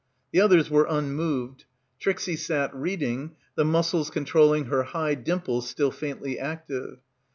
The others were unmoved. Trixie sat reading, the muscles controlling her high dimples still faintly active.